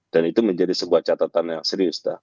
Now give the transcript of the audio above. dan itu menjadi sebuah catatan yang serius dah